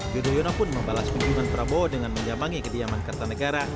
yudhoyono pun membalas kejuangan prabowo dengan menjamangi kediaman kerta negara